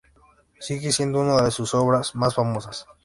Sigue siendo una de sus obras más famosas.